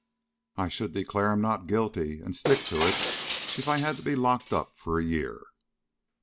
"I should declare him 'Not guilty,' and stick to it, if I had to be locked up for a year."